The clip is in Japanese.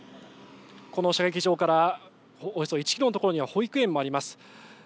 この射撃場からおよそ１キロの所には保育園もあります。